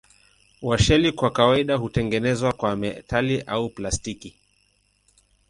Washeli kwa kawaida hutengenezwa kwa metali au plastiki.